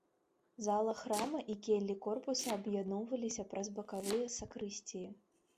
Зала храма і келлі корпуса аб'ядноўваліся праз бакавыя сакрысціі.